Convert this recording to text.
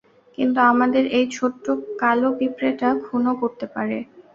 কিন্তু আমাদের এই ছোটো্ট কালো পিপড়েটা খুনও করতে পারে।